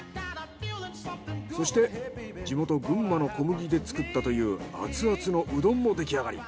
そして地元群馬の小麦で作ったというアツアツのうどんも出来上がり。